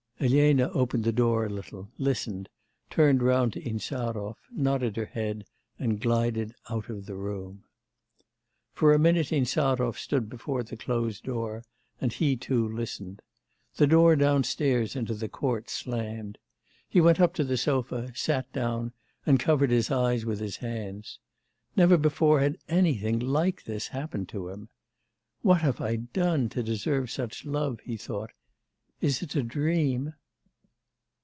Elena opened the door a little, listened, turned round to Insarov, nodded her head, and glided out of the room. For a minute Insarov stood before the closed door, and he too listened. The door downstairs into the court slammed. He went up to the sofa, sat down, and covered his eyes with his hands. Never before had anything like this happened to him. 'What have I done to deserve such love?' he thought. 'Is it a dream?